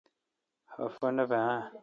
خفہ نہ بہ اؘ۔